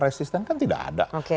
resisten kan tidak ada